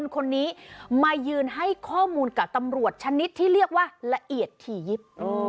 คนนี้มายืนให้ข้อมูลกับตำรวจชนิดที่เรียกว่าละเอียดถี่ยิบ